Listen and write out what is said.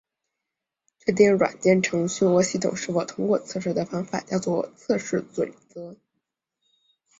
确定软件程序或系统是否通过测试的方法叫做测试准则。